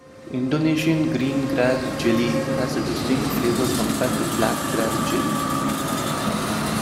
Indonesian green grass jelly has a distinct flavor compared to black grass jelly.